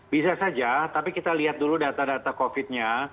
bisa saja tapi kita lihat dulu data data covid nya